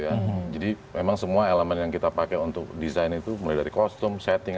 ya jadi memang semua elemen yang kita pakai untuk desain itu mulai dari kostum setting